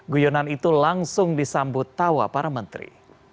guyonan itu langsung disambut tawa para menteri